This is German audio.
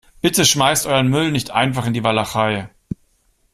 Bitte schmeißt euren Müll nicht einfach in die Walachei.